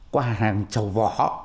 qua hàng trầu vỏ